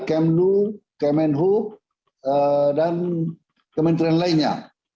kemnu kemenhu dan kementerian lainnya